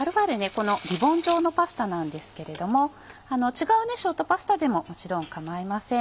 このリボン状のパスタなんですけれども違うショートパスタでももちろん構いません。